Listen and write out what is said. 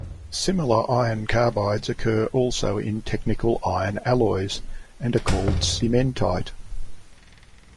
Similar iron carbides occur also in technical iron alloys and are called cementite.